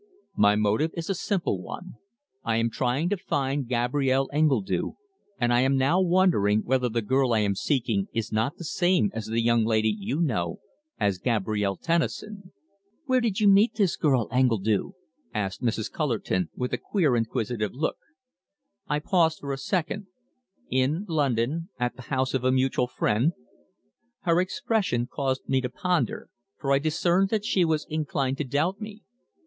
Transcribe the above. "My motive is a simple one. I am trying to find Gabrielle Engledue, and I am now wondering whether the girl I am seeking is not the same as the young lady you know as Gabrielle Tennison." "Where did you meet this girl Engledue?" asked Mrs. Cullerton, with a queer inquisitive look. I paused for a second. "In London at the house of a mutual friend." Her expression caused me to ponder, for I discerned that she was inclined to doubt me.